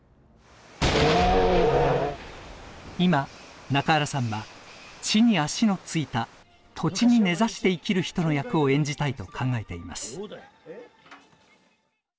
今中原さんは地に足のついた土地に根ざして生きる人の役を演じたいと考えています。